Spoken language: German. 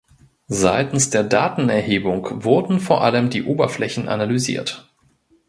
Seitens der Datenerhebung wurden vor allem die Oberflächen analysiert.